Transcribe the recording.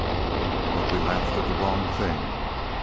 "But we laughed at the wrong thing.